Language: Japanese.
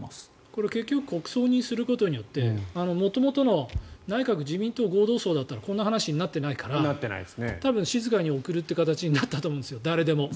これは結局国葬にすることによって元々、内閣・自民党の合同葬だったらこんな話になっていないから多分静かに送る形になったと思うんです、誰でも。